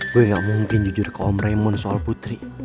gue gak mungkin jujur ke om raymond soal putri